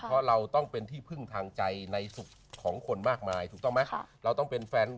เพราะเราต้องเป็นที่พึ่งทางใจในสุขของคนมากมายถูกต้องไหม